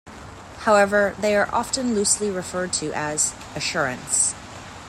However, they are often loosely referred to as "assurance".